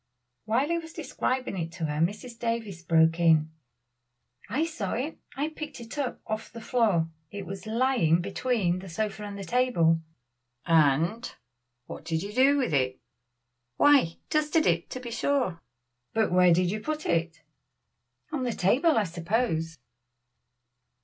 While he was describing it to her Mrs. Davies broke in: "I saw it I picked it up off the floor it was lying between the sofa and the table." "And what did you do with it?" "Why, dusted it, to be sure." "But where did you put it?" "On the table, I suppose."